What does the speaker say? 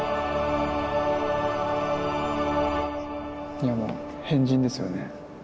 いやもう変人ですよね。